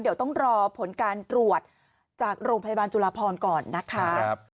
เดี๋ยวต้องรอผลการตรวจจากโรงพยาบาลจุลาพรก่อนนะคะ